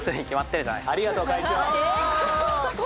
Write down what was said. ありがとう会長！